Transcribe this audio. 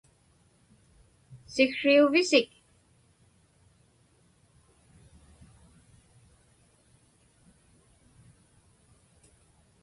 Siksriuvisik?